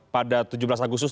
pada tujuh belas agustus